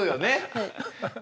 はい。